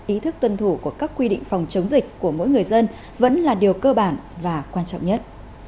ý thức tuân thủ của các quy định phòng chống dịch của mỗi người dân vẫn là điều cơ bản và quan trọng nhất